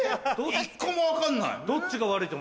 １個も分かんない。